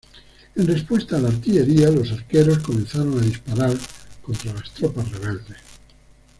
En respuesta a la artillería, los arqueros comenzaron a disparar contra las tropas rebeldes.